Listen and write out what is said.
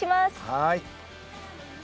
はい。